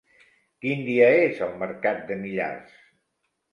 Quin dia és el mercat de Millars?